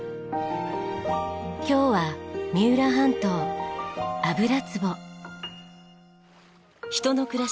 今日は三浦半島油壺。